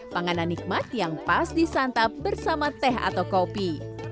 panganan nikmat yang pas disantap bersama teh atau kopi